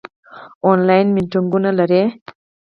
آنلاین میټینګونه لرئ؟